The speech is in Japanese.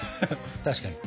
確かに。